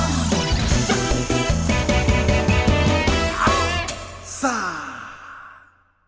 มีรัมพุทธ